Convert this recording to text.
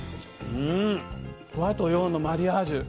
和と洋のマリアージュ。